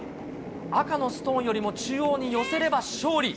赤のストーンよりも中央に寄せれば勝利。